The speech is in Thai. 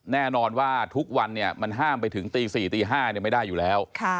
แน่นอนว่าทุกวันเนี้ยมันห้ามไปถึงตีสี่ตีห้าเนี้ยไม่ได้อยู่แล้วค่ะ